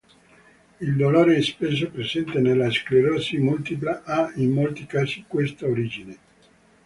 Il dolore spesso presente nella sclerosi multipla ha in molti casi questa origine.